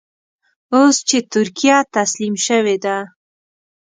اوس چې ترکیه تسليم شوې ده.